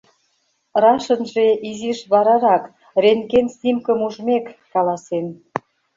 — Рашынже изиш варарак, рентген снимкым ужмек, каласем.